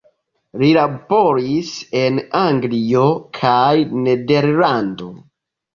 Li laboris en Anglio kaj Nederlando.